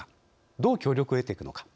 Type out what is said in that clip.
どう協力を得ていくのか。